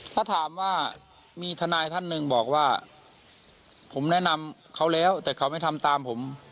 ถ้าถามว่ามีทนายท่านหนึ่งบอกว่าผมแนะนำเขาแล้วแต่เขาไม่ทำตามผม